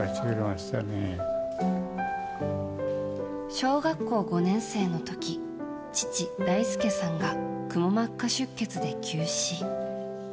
小学校５年生の時父・大輔さんがくも膜下出血で急死。